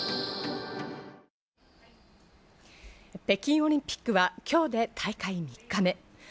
北京オリンピックは今日で大会３日目。